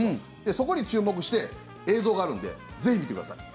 そこに注目して、映像があるんでぜひ見てください。